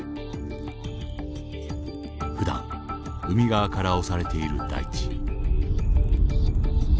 ふだん海側から押されている大地。